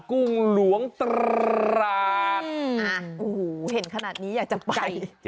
กุ้งหลวงตรรรรรร์ลาปอ่าอู้หูเห็นขนาดนี้อยากจะไป